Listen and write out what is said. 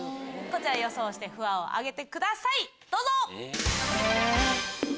こちら予想をして札を挙げてくださいどうぞ！え？